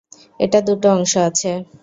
এটার দুটো অংশ আছে।